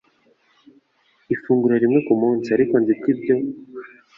ifunguro rimwe ku munsi; ariko nziko ibyo